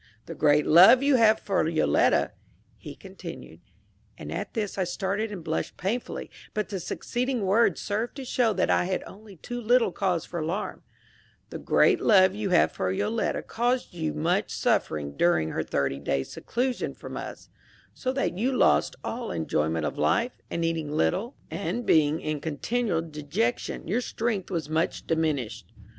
The great love you have for Yoletta," he continued and at this I started and blushed painfully, but the succeeding words served to show that I had only too little cause for alarm "the great love you have for Yoletta caused you much suffering during her thirty days' seclusion from us, so that you lost all enjoyment of life, and eating little, and being in continual dejection, your strength was much diminished.